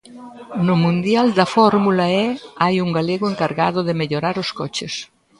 No mundial da Fórmula E hai un galego encargado de mellorar os coches.